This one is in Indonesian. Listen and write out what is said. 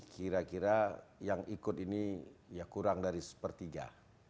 kira kira yang ikut ini ya kurang dari sepertiga